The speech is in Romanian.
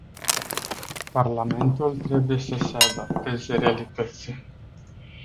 Parlamentul trebuie să se adapteze realității.